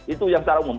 itu yang secara umum